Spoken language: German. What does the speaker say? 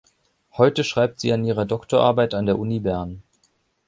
Heute schreibt sie an ihrer Doktorarbeit an der Uni Bern.